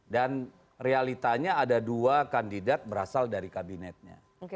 dan realitanya ada dua kandidat berasal dari kabinetnya